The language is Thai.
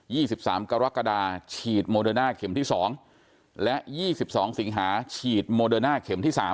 สิบสามกรกฎาฉีดโมเดอร์น่าเข็มที่สองและยี่สิบสองสิงหาฉีดโมเดอร์น่าเข็มที่สาม